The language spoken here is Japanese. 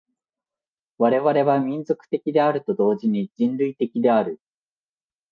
我々は民族的であると同時に人類的である。